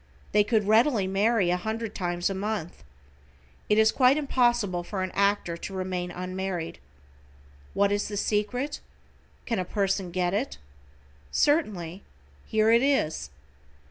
They could readily marry a hundred times a month. It is quite impossible for an actor to remain unmarried. What is the secret? Can a person get it? Certainly; here it is.